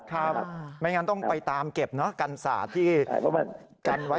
ครับไม่งั้นต้องไปตามเก็บกันส่าที่กันไว้